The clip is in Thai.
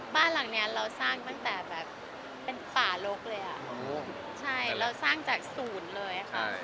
บ้านหลังนี้เราสร้างตั้งแต่เป็นผ่าโลกเลยเราสร้างจากศูนย์เลย